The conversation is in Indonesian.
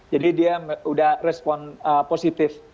jadi dia udah respon positif